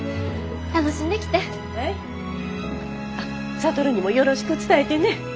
あっ智にもよろしく伝えてね。